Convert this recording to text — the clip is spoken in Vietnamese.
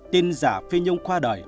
tin giả phi nhung qua đời